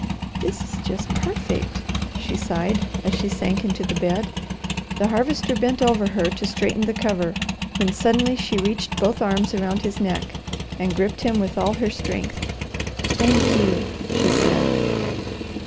"This is just perfect!" she sighed, as she sank into the bed. The Harvester bent over her to straighten the cover, when suddenly she reached both arms around his neck, and gripped him with all her strength. "Thank you!" she said.